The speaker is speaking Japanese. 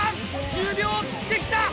１０秒を切ってきた！